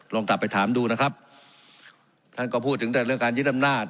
ลองกลับไปถามดูนะครับท่านก็พูดถึงแต่เรื่องการยึดอำนาจ